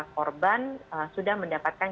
korban sudah mendapatkan